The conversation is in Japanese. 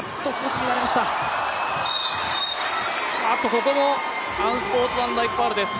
ここもアンスポーツマンライクファウルです。